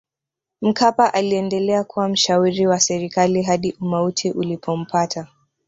mkapa aliendelea kuwa mshauri wa serikali hadi umauti ulipompata